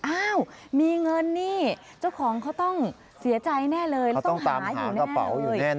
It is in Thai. อ้าวมีเงินนี่เจ้าของเขาต้องเสียใจแน่เลยแล้วต้องหาอยู่แน่